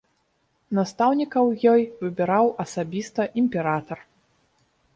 Настаўнікаў ёй выбіраў асабіста імператар.